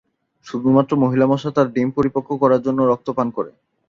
শুধুমাত্র মহিলা মশা তার ডিম পরিপক্ব করার জন্য রক্ত পান করে।